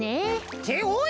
っておい！